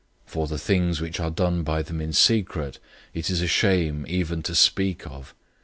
005:012 For the things which are done by them in secret, it is a shame even to speak of.